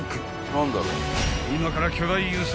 ［今から］